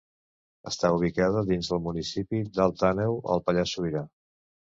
Està ubicada dins del municipi d'Alt Àneu, al Pallars Sobirà.